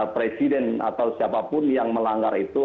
presiden atau siapapun yang melanggar itu